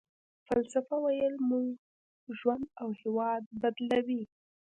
فلسفه ويل مو ژوند او هېواد بدلوي.